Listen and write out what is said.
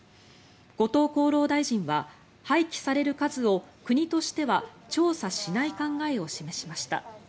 後藤厚労大臣は廃棄される数を国としては調査しない考えを示しました。